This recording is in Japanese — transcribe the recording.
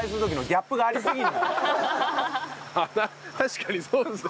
確かにそうです。